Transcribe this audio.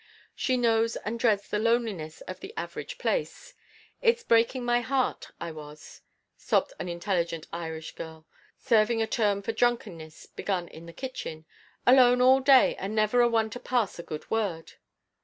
She knows and dreads the loneliness of the average "place." "It's breaking my heart I was," sobbed an intelligent Irish girl, serving a term for drunkenness begun in the kitchen, "alone all day long with never a one to pass a good word."